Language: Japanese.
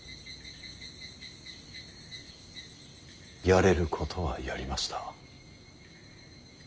やれることはやりました。